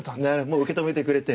もう受け止めてくれて。